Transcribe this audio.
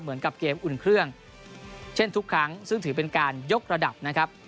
เหมือนกับเกมอุ่นเครื่องเช่นทุกครั้งซึ่งถือเป็นการยกระดับนะครับ